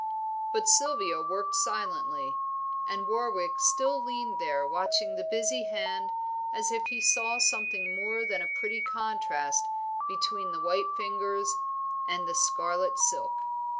But Sylvia worked silently, and Warwick still leaned there watching the busy hand as if he saw something more than a pretty contrast between the white fingers and the scarlet silk.